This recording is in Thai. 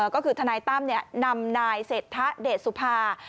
ก็คือทนายตั้มนำนายเศรษฐะเดชสุภา